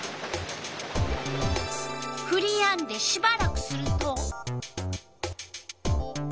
ふりやんでしばらくすると。